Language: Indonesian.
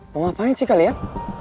mau ngapain sih kalian